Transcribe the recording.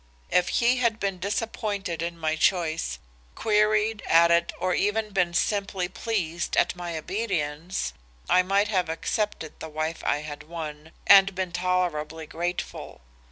If he had been disappointed in my choice, queried at it or even been simply pleased at my obedience, I might have accepted the wife I had won, and been tolerably grateful.